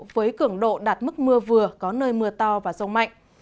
với cường độ đạt mức mưa vừa có nơi mưa to và rông mạnh